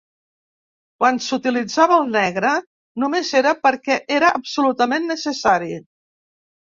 Quan s'utilitzava el negre, només era perquè era absolutament necessari.